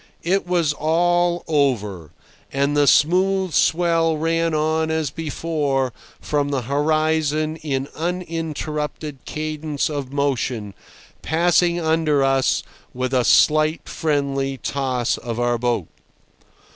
It was all over, and the smooth swell ran on as before from the horizon in uninterrupted cadence of motion, passing under us with a slight friendly toss of our boat.